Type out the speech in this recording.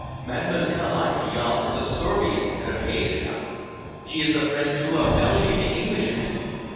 Mademoiselle Idiale is a Servian and a patriot. She is the friend, too, of Bellamy, the Englishman.